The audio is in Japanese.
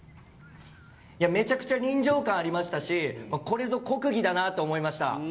めちゃくちゃ感ありましたし、これぞ、国技だなと思いまし